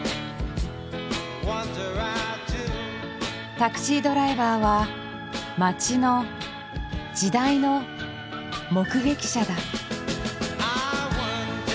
タクシードライバーは街の時代の目撃者だ。